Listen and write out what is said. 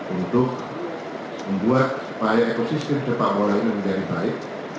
untuk membuat supaya ekosistem sepak bola ini menjadi baik